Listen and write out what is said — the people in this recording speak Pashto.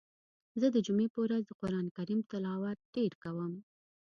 زه د جمعی په ورځ د قرآن کریم تلاوت ډیر کوم.